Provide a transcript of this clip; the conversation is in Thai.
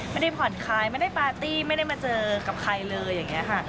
ไม่ได้ผ่อนคลายไม่ได้ปาร์ตี้ไม่ได้มาเจอกับใครเลยอย่างนี้ค่ะ